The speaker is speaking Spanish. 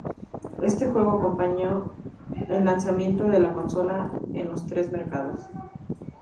Este juego acompañó el lanzamiento de la consola en los tres mercados.